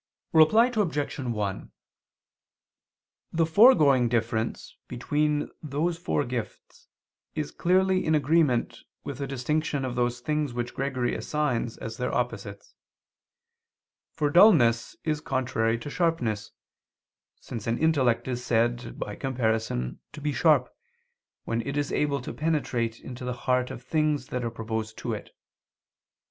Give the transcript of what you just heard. Reply Obj. 1: The foregoing difference between those four gifts is clearly in agreement with the distinction of those things which Gregory assigns as their opposites. For dulness is contrary to sharpness, since an intellect is said, by comparison, to be sharp, when it is able to penetrate into the heart of the things that are proposed to it.